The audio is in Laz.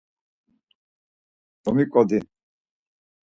Domiǩodi.